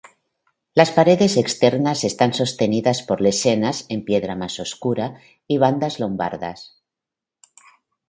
Las paredes externas están sostenidas por lesenas en piedra más oscura y bandas lombardas.